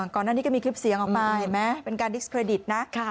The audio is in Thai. ก่อนหน้านี้ก็มีคลิปเสียงออกมาเห็นไหมเป็นการดิสเครดิตนะ